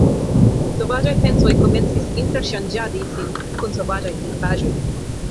Sovaĝaj pensoj komencis interŝanĝadi sin kun sovaĝaj pentraĵoj.